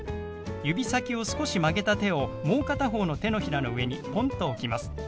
指先を少し曲げた手をもう片方の手のひらの上にポンと置きます。